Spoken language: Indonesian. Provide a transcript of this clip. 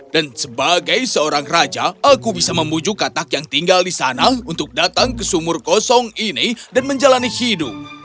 dan sebagai seorang raja aku bisa memujuk katak yang tinggal di sana untuk datang ke sumur kosong ini dan menjalani hidup